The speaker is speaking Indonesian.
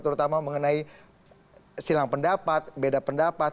terutama mengenai silang pendapat beda pendapat